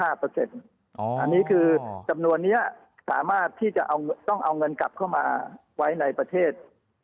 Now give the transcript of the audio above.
อันนี้คือจำนวนนี้สามารถที่จะต้องเอาเงินกลับเข้ามาไว้ในประเทศ